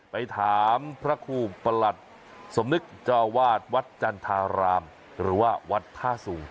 ไปถามพระครูประหลัดทร์สมนึกจาวาธวรรษวัฒว์จันทรารามหรือว่าวัฒว์ธ่าสูง